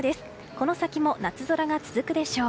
この先も夏空が続くでしょう。